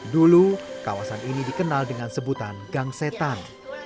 dulu kawasan ini dikenal dengan sebutan gang setan